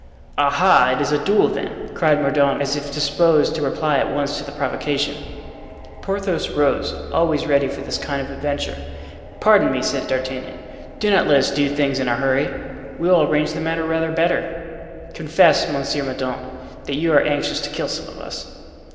"Aha! It is a duel, then?" cried Mordaunt, as if disposed to reply at once to the provocation. Porthos rose, always ready for this kind of adventure. "Pardon me," said D'Artagnan. "Do not let us do things in a hurry. We will arrange the matter rather better. Confess, Monsieur Mordaunt, that you are anxious to kill some of us."